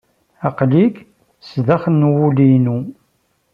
Aql-ik sdaxel n wul-inu.